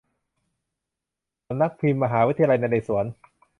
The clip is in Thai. สำนักพิมพ์มหาวิทยาลัยนเรศวร